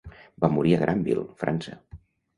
Va morir a Granville, França.